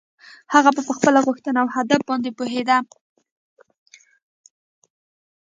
هغه په خپله غوښتنه او هدف باندې پوهېده.